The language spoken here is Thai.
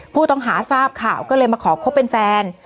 ผู้ต้องหาทราบข่าวก็เลยมาขอคบเป็นแฟน